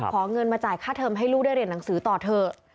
ขอเงินมาจ่ายค่าเทิมให้ลูกได้เรียนหนังสือต่อเถอะ